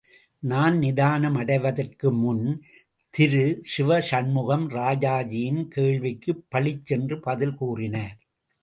நான் நிதானம் அடைவதற்கு முன் திருசிவசண்முகம், ராஜாஜியின் கேள்விக்குப் பளிச்சென்று பதில் கூறினார்.